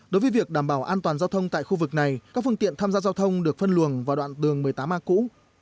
đối với việc đảm bảo an toàn giao thông tại khu vực này các phương tiện tham gia giao thông được phân luồng vào đoạn đường một mươi tám a cũ